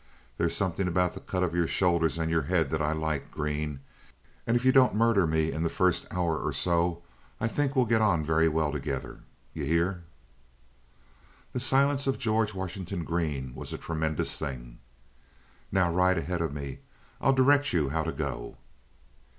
There's something about the cut of your shoulders and your head that I like, Green; and if you don't murder me in the first hour or so, I think we'll get on very well together. You hear?" The silence of George Washington Green was a tremendous thing. "Now ride ahead of me. I'll direct you how to go."